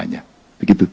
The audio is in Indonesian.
dan menyelesaikan itu